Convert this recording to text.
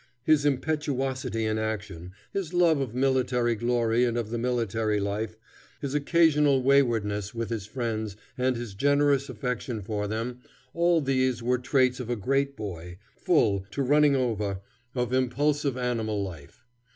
His impetuosity in action, his love of military glory and of the military life, his occasional waywardness with his friends and his generous affection for them, all these were the traits of a great boy, full, to running over, of impulsive animal life.